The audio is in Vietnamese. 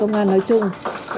công an nói chung